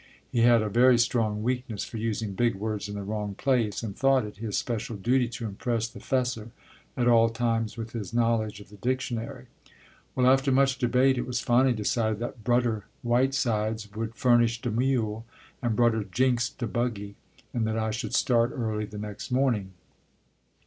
He had a very strong weakness for using big words in the wrong place, and thought it his special duty to impress the "'fessar" at all times with his knowledge of the dictionary. Well, after much debate it was finally decided that "Brudder" Whitesides would "furnish de mule" and "Brudder Jinks de buggy" and that I should start early the next morning.